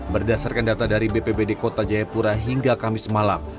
berdasarkan data dari bpbd kota jayapura hingga kamis malam